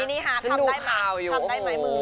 มินิฮาร์ดทำได้หมายมือ